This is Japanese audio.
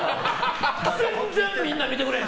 全然みんな見てくれへん。